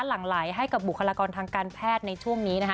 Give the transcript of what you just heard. หลังไหลให้กับบุคลากรทางการแพทย์ในช่วงนี้นะคะ